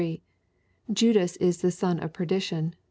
Judas is the son of perdition.